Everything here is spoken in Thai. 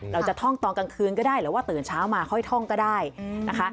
ท่องตอนกลางคืนก็ได้หรือว่าตื่นเช้ามาค่อยท่องก็ได้นะคะ